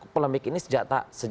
plemik ini sejak dua ribu lima belas